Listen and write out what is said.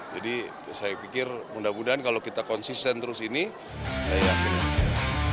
jadi saya pikir mudah mudahan kalau kita konsisten terus ini saya yakin bisa